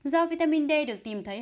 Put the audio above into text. do vitamin d được tìm thấy